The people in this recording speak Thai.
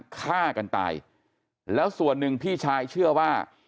ฆ่ากันตายแล้วส่วนหนึ่งพี่ชายเชื่อว่า